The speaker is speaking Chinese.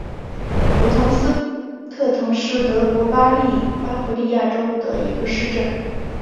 古滕斯特滕是德国巴伐利亚州的一个市镇。